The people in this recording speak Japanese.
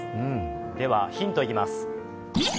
ではヒントいきます。